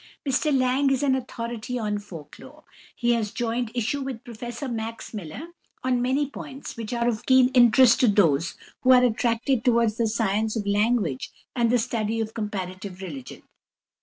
Mr Lang is an authority on folk lore; he has joined issue with Professor Max Müller on many points which are of keen interest to those who are attracted towards the science of language and the study of comparative religion.